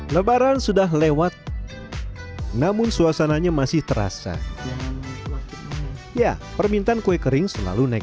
lebaran sudah lewat namun suasananya masih terasa ya permintaan kue kering selalu naik